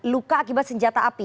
luka akibat senjata api